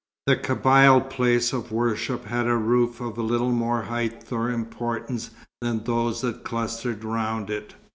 The Kabyle place of worship had a roof of little more height or importance than those that clustered round it.